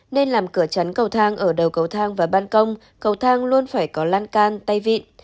nên làm cửa chắn cầu thang ở đầu cầu thang và ban công cầu thang luôn phải có lan can tay vịn